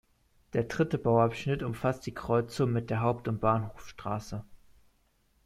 Der dritte Bauabschnitt umfasst die Kreuzung mit der Haupt- und Bahnhofstraße.